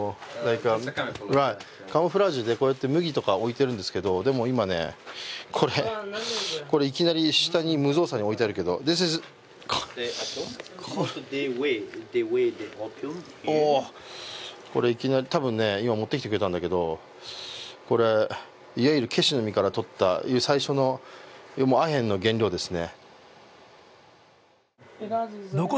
カモフラージュでこうやって麦とか置いてあるんですけどでも今、これ、いきなり下に無造作に置いてあるけどこれ、多分今持ってきてくれたんだけど、これ、ケシの実からとった最初のアヘンの原料ですね。